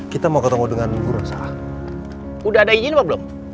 kita mau ketemu dengan buruk salah udah ada ijin apa belum